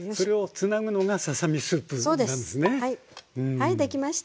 はいできました。